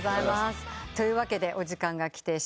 というわけでお時間が来てしまいました。